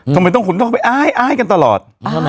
ทำไมต้องคุณต้องไปอ้ายกันตลอด